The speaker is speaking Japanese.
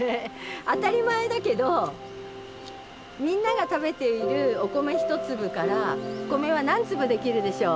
当たり前だけどみんなが食べているお米１粒からお米は何粒出来るでしょう？